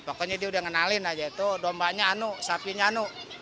pokoknya dia udah kenalin aja itu dombanya anu sapinya anu